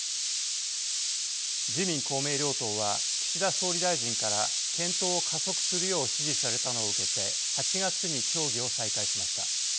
自民・公明両党は岸田総理大臣から検討を加速するよう指示されたのを受けて８月に協議を再開しました。